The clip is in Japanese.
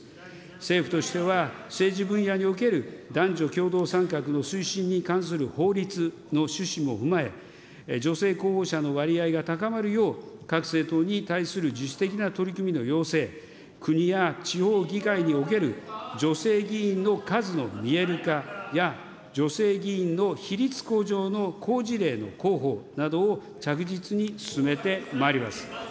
政府としては、政治分野における男女共同参画の推進に関する法律の趣旨も踏まえ、女性候補者の割合が高まるよう、各政党に対する自主的な取り組みの要請、国や地方議会における女性議員の数の見える化や、女性議員の比率向上の好事例の広報などを着実に進めてまいります。